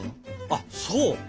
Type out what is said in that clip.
あっそう。